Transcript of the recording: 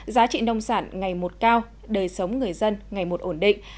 giá trị nông sản ngày một cao đời sống người dân ngày một ổn định